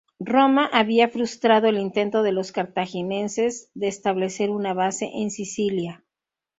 Roma había frustrado el intento de los cartagineses de establecer una base en Sicilia.